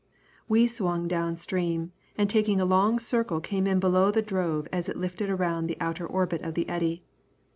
We swung down stream, and taking a long circle came in below the drove as it drifted around in the outer orbit of the eddy.